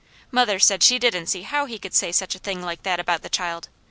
Mother said she didn't see how he could say a thing like that about the child.